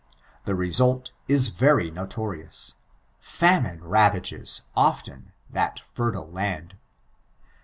The result is veiy notorioos. ITamine ravages, often, that fertile land.